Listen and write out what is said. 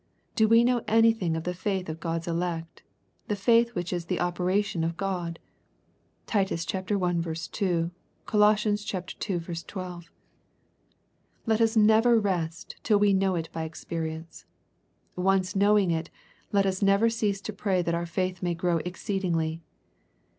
Do we know anything of the faith of God's elect, the faith which is of the operation of God ? (Titus i. 2. Col. ii. 12.) Let us never rest till we know it by experience. Once knowing it, let us never cease to pray that our faith may grow exceedingly.